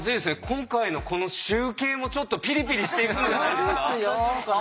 今回のこの集計もちょっとピリピリしていくんじゃないですか？